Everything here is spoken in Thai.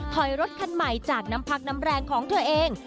ถอยรถคันใหม่จากน้ำพักน้ำแรงของเธอเอง